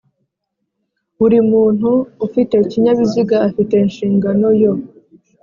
Buri muntu ufite ikinyabiziga afite inshingano yo